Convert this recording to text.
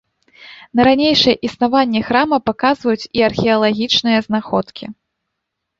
На ранейшае існаванне храма паказваюць і археалагічныя знаходкі.